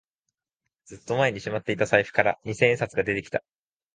ずっと前にしまっていた財布から二千円札が出てきた